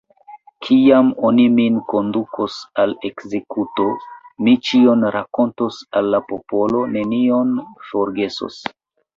Kiam oni min kondukos al ekzekuto, mi ĉion rakontos al la popolo, nenion forgesos.